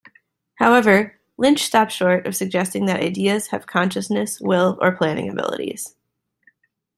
However, Lynch stopped short of suggesting that ideas have consciousness, will or planning abilities.